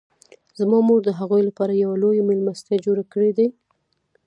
زما مور د هغوی لپاره یوه لویه میلمستیا جوړه کړې ده